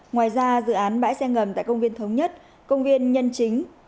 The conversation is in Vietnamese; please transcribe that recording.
ngoài ra dự án bãi xe ngầm tại công viên thống nhất công viên nhân chính